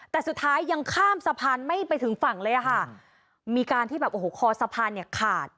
แต่สุดท้ายยังข้ามสะพานไม่ไปถึงฝั่งเลยอ่ะค่ะมีการที่แบบโอ้โหคอสะพานเนี่ยขาด